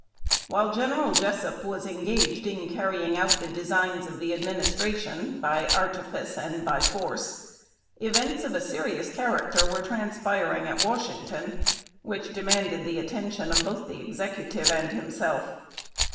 While General Jessup was engaged in carrying out the designs of the Administration by artifice, and by force, events of a serious character were transpiring at Washington which demanded the attention of both the Executive and himself.